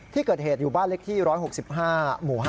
ที่เกิดเหตุอยู่บ้านเล็กที่๑๖๕หมู่๕